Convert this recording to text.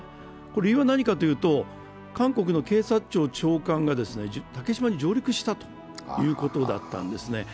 これ理由は何かというと韓国の検察庁長官が竹島に上陸したということだったんですね。